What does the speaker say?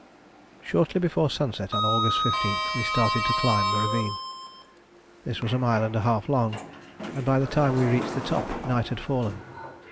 Shortly before sunset on August 15th we started to climb the ravine. This was a mile and a half long, and by the time we reached the top night had fallen.